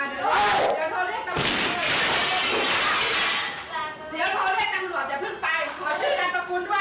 เดี๋ยวเขาเรียกนังหลวงอย่าเพิ่งไป